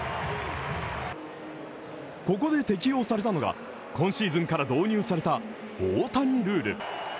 ここで適用されたのが、今シーズンから導入された大谷ルール。